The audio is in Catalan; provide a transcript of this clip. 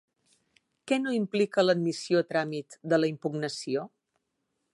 Què no implica l'admissió a tràmit de la impugnació?